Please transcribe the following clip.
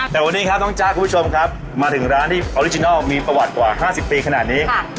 แต่วันนี้ครับน้องจ๊ะคุณผู้ชมครับมาถึงร้านที่ออริจินัลมีประวัติกว่า๕๐ปีขนาดนี้